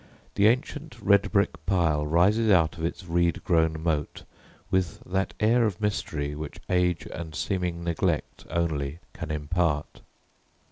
The ancient red brick pile rises out of its reed grown moat with that air of mystery which age and seeming neglect only can impart.